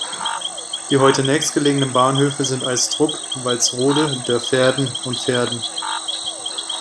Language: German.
Die heute nächstgelegenen Bahnhöfe sind in Eystrup, Walsrode, Dörverden und Verden.